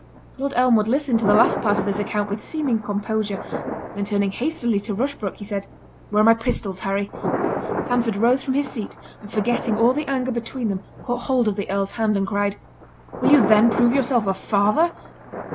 Lord Elmwood listened to the last part of this account with seeming composure—then turning hastily to Rushbrook, he said, "Where are my pistols, Harry?" Sandford rose from his seat, and forgetting all the anger between them, caught hold of the Earl's hand, and cried, "Will you then prove yourself a father?"